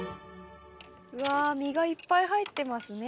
わぁ身がいっぱい入ってますね。